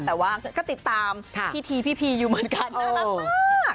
แต่ว่าก็ติดตามพี่ทีพี่พีอยู่เหมือนกันน่ารักมาก